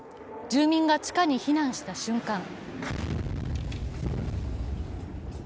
住民が地下に避難した瞬間